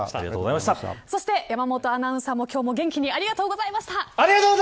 そして山本アナウンサーも今日も元気にありがとうございました。